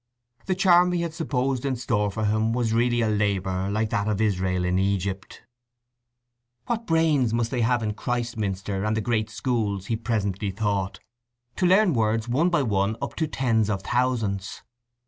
The charm he had supposed in store for him was really a labour like that of Israel in Egypt. What brains they must have in Christminster and the great schools, he presently thought, to learn words one by one up to tens of thousands!